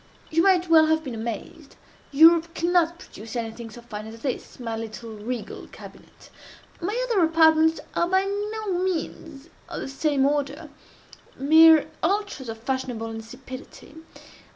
You might well have been amazed. Europe cannot produce anything so fine as this, my little regal cabinet. My other apartments are by no means of the same order—mere ultras of fashionable insipidity.